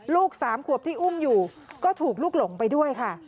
๓ขวบที่อุ้มอยู่ก็ถูกลูกหลงไปด้วยค่ะ